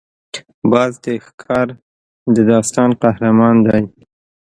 باز د ښکار د داستان قهرمان دی